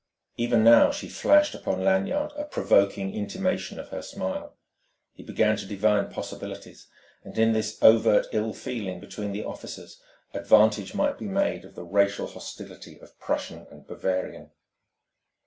Even now she flashed upon Lanyard a provoking intimation of her smile. He began to divine possibilities in this overt ill feeling between the officers; advantage might be made of the racial hostility of Prussian and Bavarian.